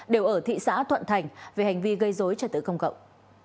đều ở thị xã thuận thành về hành vi gây dối trẻ tử công cộng